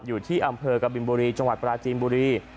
อยู่ที่อำเภอกบินบุรีจังหวัดปราจีนบุรี